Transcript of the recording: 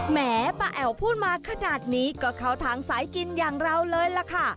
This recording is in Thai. แหมป้าแอ๋วพูดมาขนาดนี้ก็เข้าทางสายกินอย่างเราเลยล่ะค่ะ